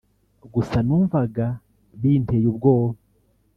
gusa numvaga binteye ubwoba